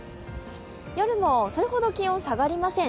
夜もそれほど気温下がりません。